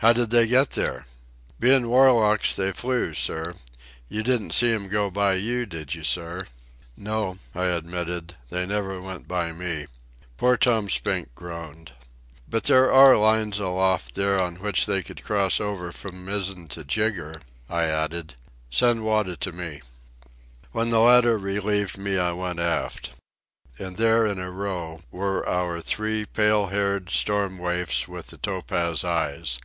"How did they get there?" "Bein' warlocks, they flew, sir. You didn't see 'm go by you, did you, sir?" "No," I admitted. "They never went by me." Poor Tom Spink groaned. "But there are lines aloft there on which they could cross over from mizzen to jigger," I added. "Send Wada to me." When the latter relieved me I went aft. And there in a row were our three pale haired storm waifs with the topaz eyes.